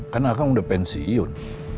kan akang udah pensiun